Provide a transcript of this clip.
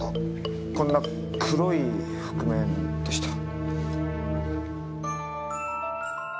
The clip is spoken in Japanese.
こんな黒い覆面でした。